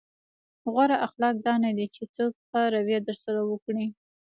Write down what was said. غوره اخلاق دا نه دي چې څوک ښه رويه درسره وکړي.